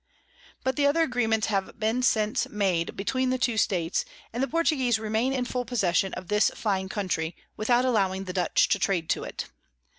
But other Agreements have been since made between the two States, and the Portuguese remain in full possession of this fine Country, without allowing the Dutch to trade to it.